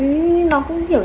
thì nó cũng kiểu